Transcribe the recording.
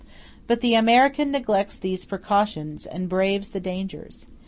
But the American neglects these precautions and braves these dangers.